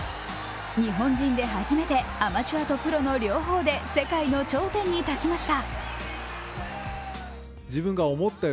日本人で初めてアマチュアとプロの両方で世界の頂点に立ちました。